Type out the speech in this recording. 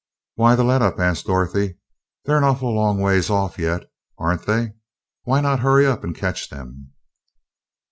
"Why the let up?" asked Dorothy. "They're an awful long ways off yet, aren't they? Why not hurry up and catch them?"